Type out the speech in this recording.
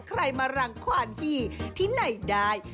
ใครมารังความหี่ที่ไหนได้